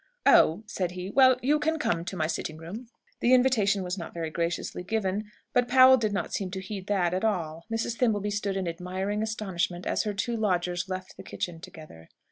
"Oh," said he, "well, you can come into my sitting room." The invitation was not very graciously given, but Powell did not seem to heed that at all. Mrs. Thimbleby stood in admiring astonishment as her two lodgers left the kitchen together.